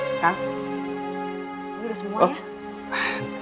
ini udah semuanya